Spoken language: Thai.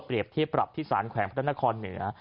เปรียบเทียบปรับที่สารแขวงพัฒนาคอเหนือ